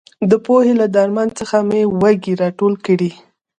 د پوهې له درمن څخه مې وږي راټول کړي.